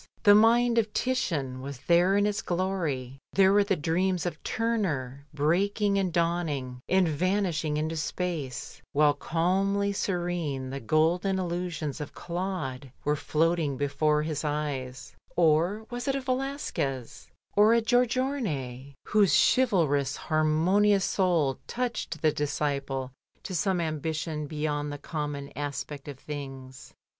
The mind of Titian was there in its glory. There were the dreams of Turner breaking and dawning, and vanishing into space, while calmly serene the gol den illusions of Qaude were floating before his eyes; or was it a Velasquez or a Giorgione whose chivalrous, harmonious soul touched the disciple to some ambition beyond the common aspect of things?